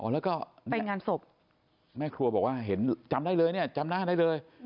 แล้วก็แม่ครัวบอกว่าเห็นจำได้เลยจำหน้าได้เลย